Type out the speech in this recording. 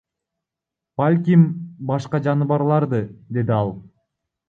Балким, башка жаныбарларды, — деди ал.